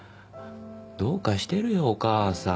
どうかしてるよお母さん。